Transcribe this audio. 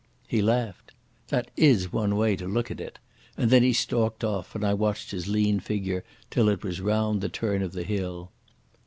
He laughed. "That is one way to look at it'; and then he stalked off and I watched his lean figure till it was round the turn of the hill.